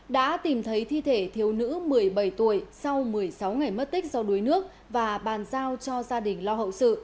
đã tìm thấy thi thể thiếu nữ một mươi bảy tuổi sau một mươi sáu ngày mất tích do đuối nước và bàn giao cho gia đình lo hậu sự